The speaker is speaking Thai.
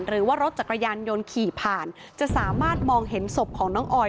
หรือว่ารถจักรยานยนต์ขี่ผ่านจะสามารถมองเห็นศพของน้องออย